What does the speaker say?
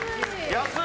安い！